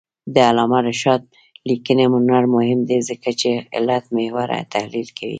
د علامه رشاد لیکنی هنر مهم دی ځکه چې علتمحوره تحلیل کوي.